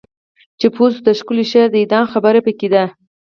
چې پوه شو د ښکلی شعر د اعدام خبر پکې دی